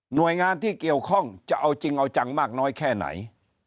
โดยงานที่เกี่ยวข้องจะเอาจริงเอาจังมากน้อยแค่ไหน